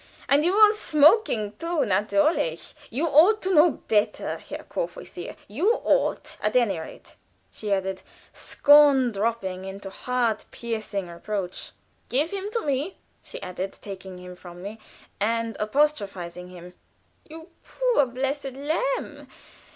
And you all smoking, too natürlich! You ought to know better, Herr Courvoisier you ought, at any rate," she added, scorn dropping into heart piercing reproach. "Give him to me," she added, taking him from me, and apostrophizing him. "You poor, blessed lamb!